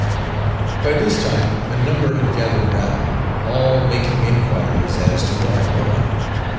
By this time a number had gathered round, all making inquiries as to what I wanted.